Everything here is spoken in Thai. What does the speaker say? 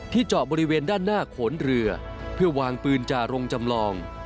เจาะบริเวณด้านหน้าโขนเรือเพื่อวางปืนจ่าโรงจำลอง